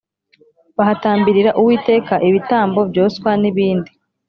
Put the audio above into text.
bahatambirira uwiteka ibitambo byoswa n ibindi